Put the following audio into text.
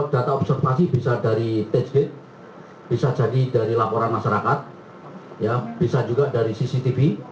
data observasi bisa dari page gate bisa jadi dari laporan masyarakat